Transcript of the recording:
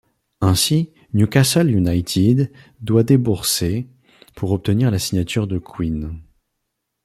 Ainsi, Newcastle United doit débourser pour obtenir la signature de Quinn.